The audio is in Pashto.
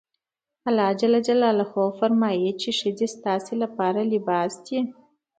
خدای پاک فرمايي چې ښځې ستاسې لپاره لباس دي.